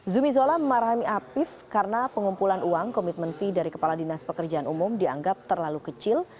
zumi zola memahami apif karena pengumpulan uang komitmen fee dari kepala dinas pekerjaan umum dianggap terlalu kecil